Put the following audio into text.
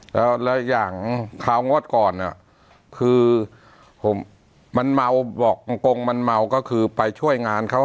แล้วอย่างคราวงวดก่อนคือมันเมาบอกกงมันเมาก็คือไปช่วยงานเขา